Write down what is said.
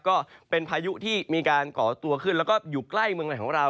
ก็เป็นพายุที่มีการก่อตัวขึ้นแล้วก็อยู่ใกล้เมืองไหนของเรา